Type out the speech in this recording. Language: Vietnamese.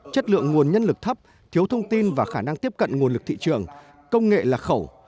chất lượng nguồn nhân lực thấp thiếu thông tin và khả năng tiếp cận nguồn lực thị trường công nghệ lạc khẩu